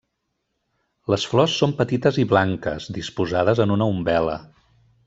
Les flors són petites i blanques disposades en una umbel·la.